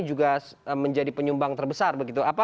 juga menjadi penyumbang terbesar begitu